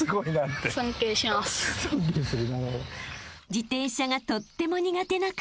［自転車がとっても苦手な彼］